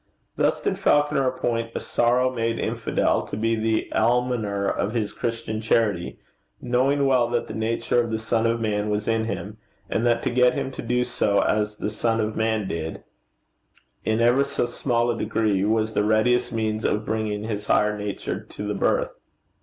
Thus did Falconer appoint a sorrow made infidel to be the almoner of his christian charity, knowing well that the nature of the Son of Man was in him, and that to get him to do as the Son of Man did, in ever so small a degree, was the readiest means of bringing his higher nature to the birth.